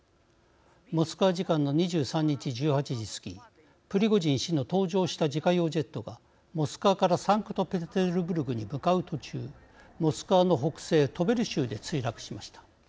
モスクワ時間の２３日、１８時過ぎプリゴジン氏の搭乗した自家用ジェットがモスクワからサンクトペテルブルクに向かう途中モスクワの北西トベリ州で墜落しました。